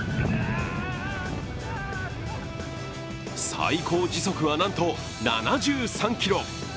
最高時速はなんと７３キロ。